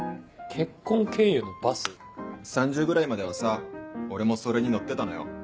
３０ぐらいまではさ俺もそれに乗ってたのよ。